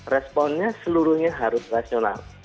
responnya seluruhnya harus rasional